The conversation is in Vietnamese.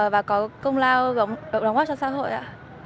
và có công lao đóng góp cho xã hội ạ